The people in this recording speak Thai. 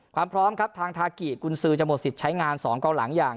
ความพร้อมครับทางทากิกุญซือจะหมดสิทธิ์ใช้งาน๒กองหลังอย่าง